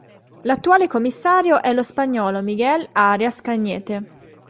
L'attuale commissario è lo spagnolo Miguel Arias Cañete.